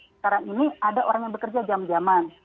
sekarang ini ada orang yang bekerja jam jaman